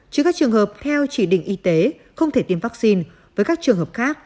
chứ các trường hợp theo chỉ định y tế không thể tiêm vaccine với các trường hợp khác